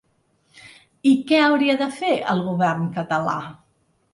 I què hauria de fer el govern català?